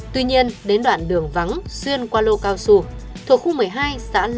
tuy nhiên đến đoạn đường vắng xuyên qua lô cao sù thuộc khu một mươi hai xã lê